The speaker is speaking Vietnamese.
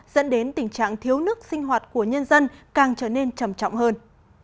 dẫn đến tình trạng thiếu nước sinh hoạt của nhân dân càng trở nên trầm trọng hơn